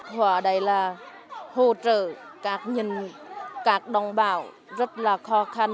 họ ở đây là hỗ trợ các nhân các đồng bào rất là khó khăn